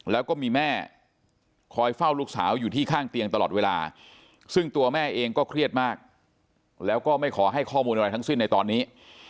แล้วก็มีแม่คอยเฝ้าลูกสาวอยู่ที่ข้างเตียงตลอดเวลาซึ่งตัวแม่เองก็เครียดมากแล้วก็ไม่ขอให้ข้อมูลอะไรทั้งสิ้นในตอนนี้